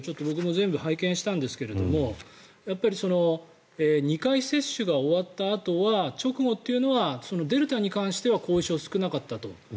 僕も全部拝見したんですがやっぱり２回接種が終わった直後というのはデルタに関しては後遺症が少なかったと。